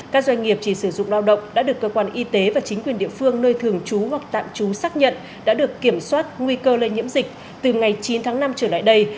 các doanh nghiệp chỉ sử dụng lao động đã được cơ quan y tế và chính quyền địa phương nơi thường trú hoặc tạm trú xác nhận đã được kiểm soát nguy cơ lây nhiễm dịch từ ngày chín tháng năm trở lại đây